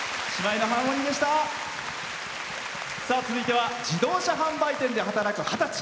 続いては自動車販売店で働く二十歳。